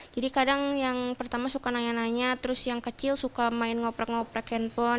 jadi kadang yang pertama suka nanya nanya terus yang kecil suka main ngoprek ngoprek handphone